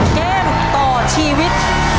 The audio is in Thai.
เกมต่อชีวิต